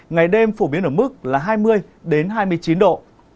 ngày đêm phổ biến ở mức là hai mươi hai mươi chín độ